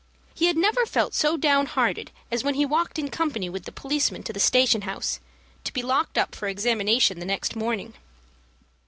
He had never felt so down hearted as when he walked in company with the policeman to the station house, to be locked up for examination the next morning.